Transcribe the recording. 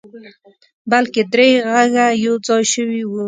بلکې درې غږه يو ځای شوي وو.